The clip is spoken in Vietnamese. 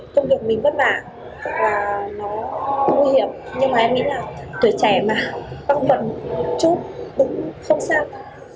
công việc mình vất vả và nó nguy hiểm nhưng mà em nghĩ là tuổi trẻ mà băng vận một chút cũng không sao